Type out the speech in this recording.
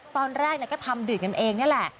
ตอนแรกก็ทำดื่มกันเองนี่แหละ